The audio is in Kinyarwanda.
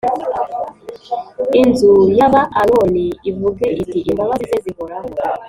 Inzu y aba Aroni ivuge iti Imbabazi ze zihoraho